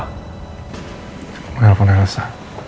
untuk mengelpon elsa